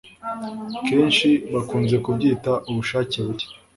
Kenshi bakunze kubyita ubushake buke